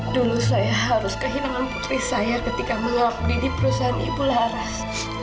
dulu saya harus kehilangan putri saya ketika mengabdi di perusahaan ibu laras